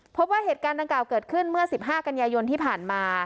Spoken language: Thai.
พบว่าเหตุการณ์ดังกล่าวเกิดขึ้นเมื่อ๑๕กันยายนที่ผ่านมา